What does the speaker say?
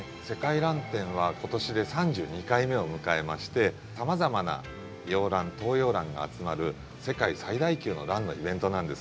「世界らん展」は今年で３２回目を迎えましてさまざまな洋ラン東洋ランが集まる世界最大級のランのイベントなんです。